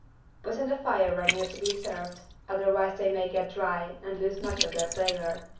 Put on the fire when near to be served, otherwise they may get dry and lose much of their flavor.